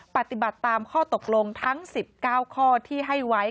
ปฏิบัติตามข้อตกลงทั้ง๑๙ข้อที่ให้ไว้